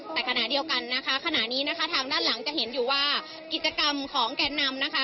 แต่ขณะเดียวกันนะคะขณะนี้นะคะทางด้านหลังจะเห็นอยู่ว่ากิจกรรมของแกนนำนะคะ